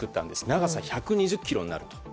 長さ１２０ｋｍになると。